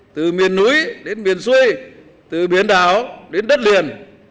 từ miền núi đến miền xuôi từ biển đảo đến đất liền